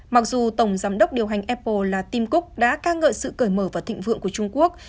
mặc dù tổng giám đốc điều hành apple là tim cúc đã ca ngợi sự cởi mở và thịnh vượng của trung quốc